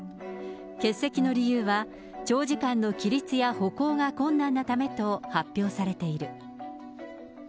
欠席の理由は、長時間の起立や歩行が困難なためと発表されている。